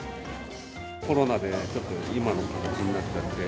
コロナで、ちょっと今の形になっちゃって。